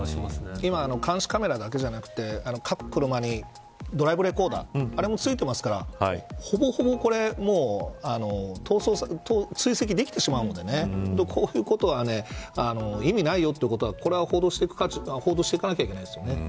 今監視カメラだけじゃなくて各車にドライブレコーダーも付いていますからほぼほぼ逃走を追跡できてしまうのでこういうことは意味ないよということはこれは報道していかなきゃいけないですよね。